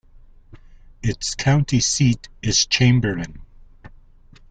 Its county seat is Chamberlain.